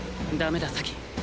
ダメだ咲